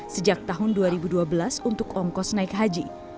sejak tahun dua ribu dua belas untuk ongkos naik haji